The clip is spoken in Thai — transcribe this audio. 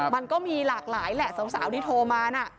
มันก็มีหลากหลายแหละสาวที่โทรมานะ